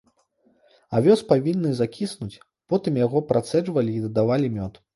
Авёс павінны закіснуць, потым яго працэджвалі і дадавалі мёд.